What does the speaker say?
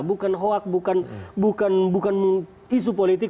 bukan hoax bukan isu politik